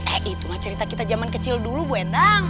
eh itu mah cerita kita zaman kecil dulu bu endang